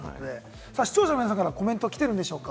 視聴者の皆さんからコメント来てるんでしょうか？